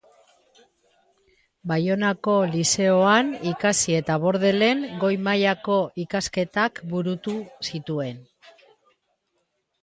Baionako Lizeoan ikasi eta Bordelen goi-mailako ikasketak burutu zituen.